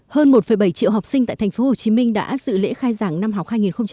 hơn một bảy triệu học sinh tại tp hcm đã dự lễ khai giảng năm học hai nghìn hai mươi hai nghìn hai mươi